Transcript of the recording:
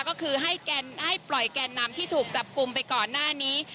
ก็คือให้ปล่อยแกนนำที่ถูกจับกลุ่มไปก่อนหน้านี้